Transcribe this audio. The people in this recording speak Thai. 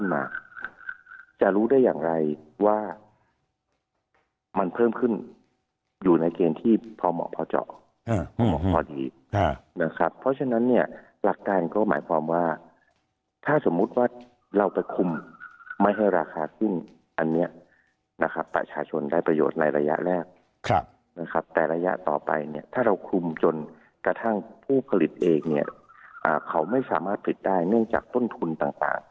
มาจะรู้ได้อย่างไรว่ามันเพิ่มขึ้นอยู่ในเกณฑ์ที่พอเหมาะพอเจาะเหมาะพอดีนะครับเพราะฉะนั้นเนี่ยหลักการก็หมายความว่าถ้าสมมุติว่าเราไปคุมไม่ให้ราคาขึ้นอันเนี่ยนะครับประชาชนได้ประโยชน์ในระยะแรกนะครับแต่ระยะต่อไปเนี่ยถ้าเราคุมจนกระทั่งผู้ผลิตเองเนี่ยเขาไม่สามารถผลิตได้เนื่องจากต้นทุนต่